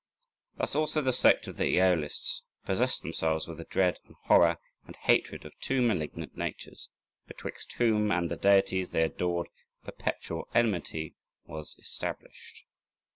Thus also the sect of the Æolists possessed themselves with a dread and horror and hatred of two malignant natures, betwixt whom and the deities they adored perpetual enmity was established.